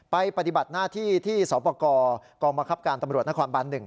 ปฏิบัติหน้าที่ที่สปกรกองบังคับการตำรวจนครบัน๑